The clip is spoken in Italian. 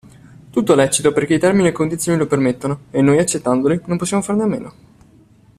Tutto lecito perché i termini e condizioni lo permettono e noi accettandoli non possiamo farne a meno.